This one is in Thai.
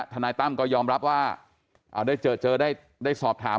นายตั้มก็ยอมรับว่าได้เจอเจอได้สอบถาม